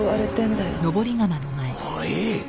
もういい。